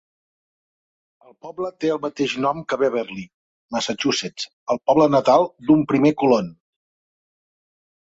El poble té el mateix nom que Beverly, Massachusetts, el poble natal d'un primer colon.